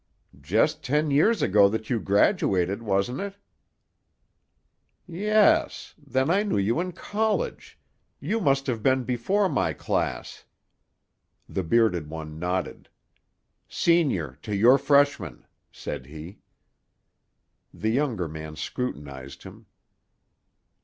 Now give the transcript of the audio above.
"Just ten years ago that you graduated, wasn't it?" "Yes. Then I knew you in college. You must have been before my class." The bearded one nodded. "Senior to your freshman," said he. The younger man scrutinized him.